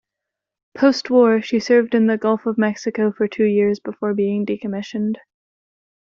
Post-war, she served in the Gulf of Mexico for two years before being decommissioned.